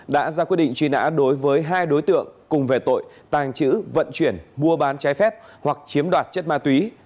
đã ra quyết định truy nã đối với hai đối tượng cùng về tội tàng trữ vận chuyển mua bán trái phép hoặc chiếm đoạt chất ma túy